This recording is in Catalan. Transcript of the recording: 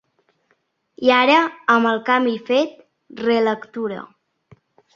I ara, amb el canvi fet, relectura.